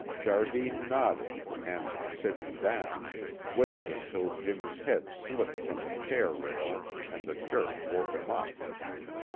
Jardine nodded, and sitting down, waited until Jimmy's head slipped from the chair rail and the jerk woke him up.